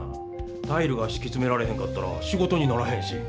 タイルがしきつめられへんかったら仕事にならへんし。